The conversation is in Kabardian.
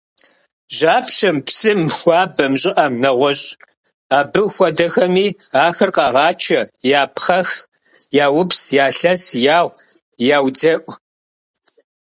Жьапщэм, псым, хуабэм, щIыIэм, нэгъуэщI абы хуэдэхэми ахэр къагъачэ, япхъэх, яупс, ялъэс, ягъу, яудзэIу.